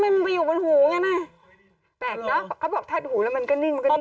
เขาบอกทัดหูแล้วมันก็นิ่งมันก็นิ่งจริง